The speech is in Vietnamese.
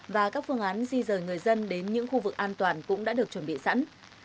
và các phương án di rời người dân đến những khu vực an toàn cũng đã được chuẩn bị sẵn